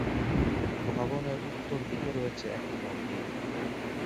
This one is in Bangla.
ভবনের উত্তরদিকে রয়েছে একটি মন্দির।